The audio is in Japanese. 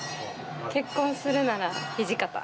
結婚するなら土方。